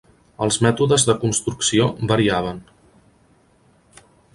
Els mètodes de construcció variaven.